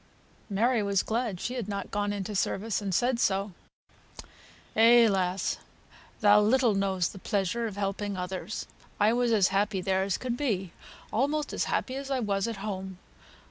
Mary was glad she had not gone into service, and said so. "Eh, lass! thou little knows the pleasure o' helping others; I was as happy there as could be; almost as happy as I was at home.